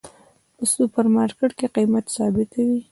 په سوپر مرکیټ کې قیمت ثابته وی